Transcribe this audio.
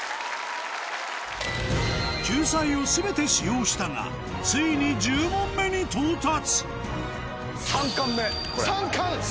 救済を全て使用したがついに１０問目に到達３冠！